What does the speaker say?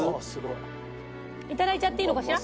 いただいちゃっていいのかしら？